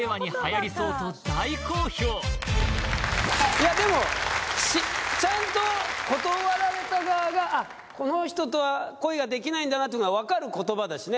いやでもちゃんと断られた側がこの人とは恋ができないんだなっていうのが分かる言葉だしね